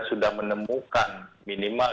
sudah menemukan minimal